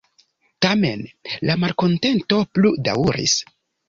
Tamen la malkontento plu-daŭris.